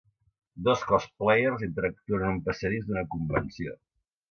Dos cosplayers interactuen en un passadís d'una convenció.